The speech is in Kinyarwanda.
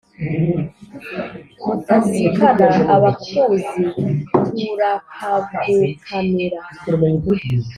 mutazikana abakuzi turakagukamira.